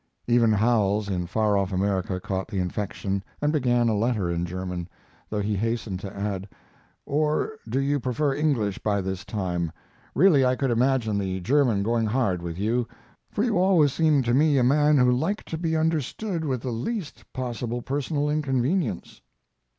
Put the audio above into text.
Even Howells, in far off America, caught the infection and began a letter in German, though he hastened to add, "Or do you prefer English by this time? Really I could imagine the German going hard with you, for you always seemed to me a man who liked to be understood with the least possible personal inconvenience."